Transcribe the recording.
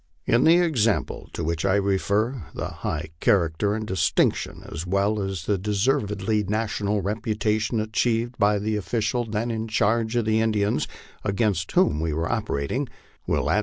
In the example to which I refer, the high character and distinction as well as the deservedly national reputation achieved by the official then in charge of the Indians against whom we we~e operating, will at LIFE ON THE PLAINS.